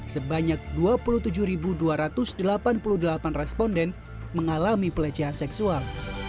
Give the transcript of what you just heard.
sebanyak dua puluh tujuh dua ratus delapan puluh delapan responden mengalami pelecehan seksual